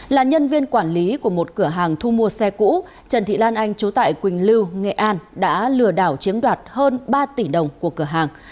là nhân viên quản lý của một cửa hàng thu mua xe cũ trần thị lan anh chú tại quỳnh lưu nghệ an đã lừa đảo chiếm đoạt hơn ba tỷ đồng của cửa hàng